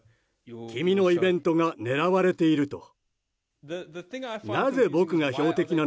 君のイベントが狙われていると。